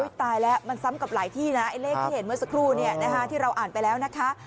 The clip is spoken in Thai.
ตายแล้วมันซ้ำกับหลายที่นะไอ้เลขที่เห็นเมื่อสักครู่เนี่ยนะคะที่เราอ่านไปแล้วนะคะ